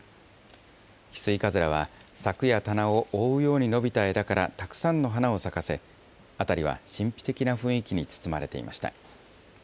ヒスイカズラは柵や棚を覆うように伸びた枝からたくさんの花を咲かせ、辺りは神秘的な雰囲気に包まれていました。